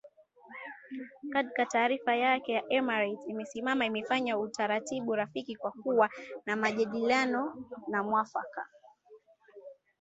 Katika taarifa yake Emirates imesema imefanya utaratibu rafiki wa kuwa na majadiliano na maafisa